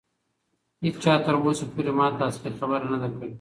هیچا تر اوسه پورې ماته اصلي خبره نه ده کړې.